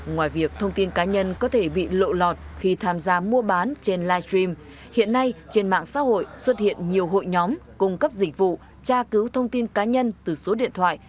ngoài việc thông tin cá nhân có thể bị lộ lọt khi tham gia mua bán trên live stream hiện nay trên mạng xã hội xuất hiện nhiều hội nhóm cung cấp dịch vụ tra cứu thông tin cá nhân từ số điện thoại